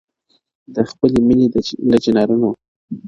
د خپلي مېني له چنارونو -